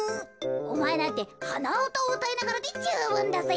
おまえなんてはなうたをうたいながらでじゅうぶんだぜ。